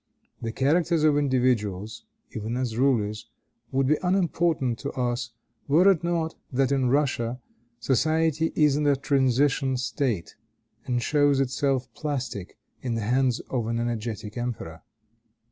The characters of individuals, even as rulers, would be unimportant to us were it not that in Russia society is in a transition state, and shows itself plastic in the hands of an energetic emperor.